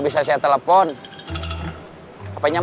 bersimejang dalam beberapa jam